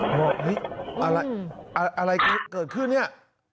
เฮ้ยอะไรเกิดขึ้นเนี่ย